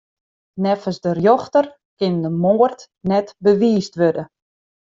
Neffens de rjochter kin de moard net bewiisd wurde.